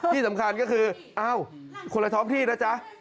ที่สำคัญก็คือเอ้าคนละท้องที่นะจ๊ะ